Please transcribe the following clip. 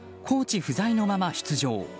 コーチ不在のまま出場。